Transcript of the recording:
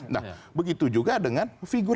nah begitu juga dengan figur